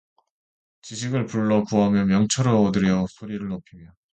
지식을 불러 구하며 명철을 얻으려고 소리를 높이며